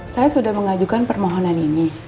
saya sudah mengajukan permohonan ini